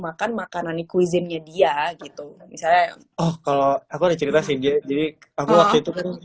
makan makanan cuisine nya dia gitu misalnya oh kalau aku cerita sih jadi aku waktu itu